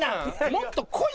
もっと来いや！